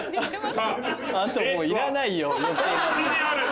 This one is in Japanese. あともういらないよ余計なの。